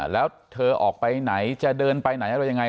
แล้วเธอออกไปไหนจะเดินไปไหนอะไรยังไง